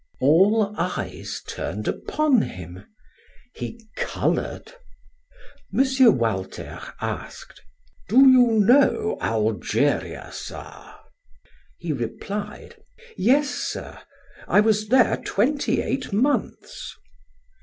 All eyes turned upon him. He colored. M. Walter asked: "Do you know Algeria, sir?" He replied: "Yes, sir, I was there twenty eight months."